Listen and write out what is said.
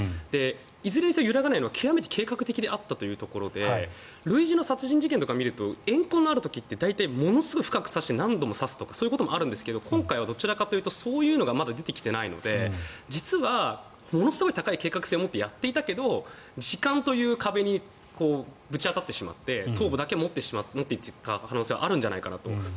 いずれにせよ揺るがないのは極めて計画的だったということで類似の殺人事件を見るとえん恨がある時って大体、ものすごく深く刺して何度も刺すとかあるんですが今回はそういうのがまだ出てきていないので実は、ものすごい高い計画性を持ってやっていたけど時間という壁にぶち当たってしまって頭部だけ持って行った可能性はあるんじゃないかと。